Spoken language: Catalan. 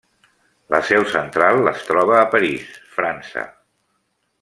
La seu central es troba a París, França.